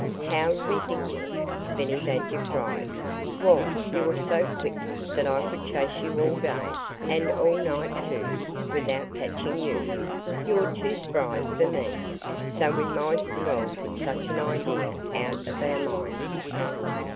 "How ridiculous!" Benny Badger cried. "Why, you're so quick that I could chase you all day and all night, too without catching you. You're too spry for me. So we might as well put such an idea out of our minds."